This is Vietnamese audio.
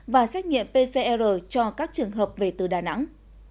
và xét nghiệm pcr cho các trường hợp về từ đà nẵng